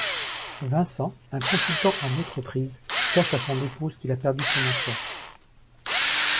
Vincent, un consultant en entreprise, cache à son épouse qu'il a perdu son emploi.